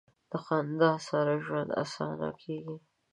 د خندا سره ژوند اسانه کیږي.